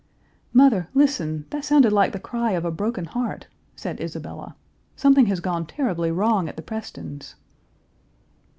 "Mother, listen; that sounded like the cry of a broken heart," said Isabella; "something has gone terribly wrong at the Prestons'."